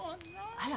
あら？